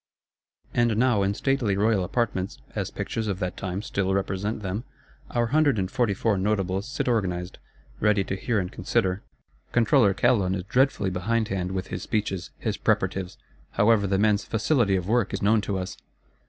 And now, in stately royal apartments, as Pictures of that time still represent them, our hundred and forty four Notables sit organised; ready to hear and consider. Controller Calonne is dreadfully behindhand with his speeches, his preparatives; however, the man's "facility of work" is known to us.